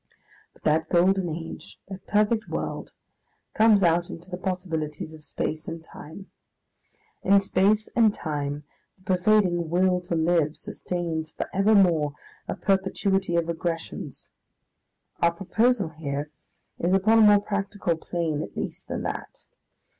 But that golden age, that perfect world, comes out into the possibilities of space and time. In space and time the pervading Will to Live sustains for evermore a perpetuity of aggressions. Our proposal here is upon a more practical plane at least than that.